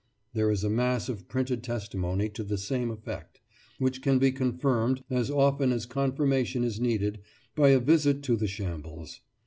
" There is a mass of printed testimony to the same effect, which can be confirmed, as often as confirmation is needed, by a visit to the shambles.